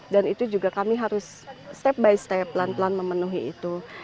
dan itu juga kami harus step by step pelan pelan memenuhi itu